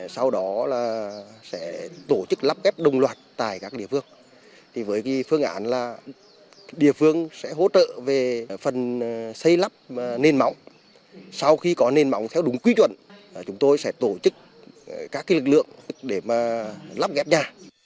sau đó là sẽ tổ chức lắp kép đồng loạt tại các địa phương với phương án là địa phương sẽ hỗ trợ về phần xây lắp nền móng sau khi có nền bóng theo đúng quy chuẩn chúng tôi sẽ tổ chức các lực lượng để lắp ghép nhà